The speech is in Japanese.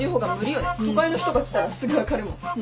都会の人が来たらすぐ分かるもん。